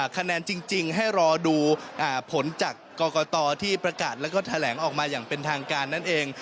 คะแนนจริงให้รอดูผลจากกรกตที่ประกาศแล้วก็แถลงออกมาอย่างเป็นทางการนั่นเอง